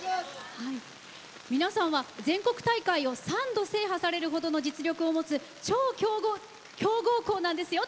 皆さんは全国大会を３度、制覇されるほどの実力を持つ超強豪校なんですよ